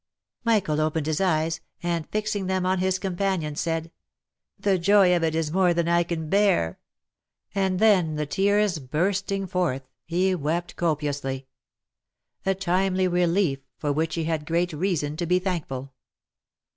Michael opened his eyes, and fixing them on his companion, said 7 " The joy of it is more than I can bear !" and then the tears bursting OF MICHAEL ARMSTRONG. 319 forth, he wept copiously ; a timely relief, for which he had great reason to be thankful.